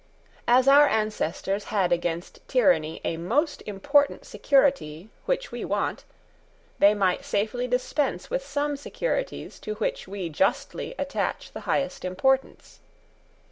As our ancestors had against tyranny a most important security which we want, they might safely dispense with some securities to which we justly attach the highest importance.